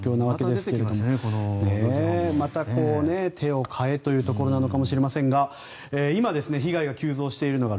また手を替えというところなのかもしれませんが今、被害が急増しているのが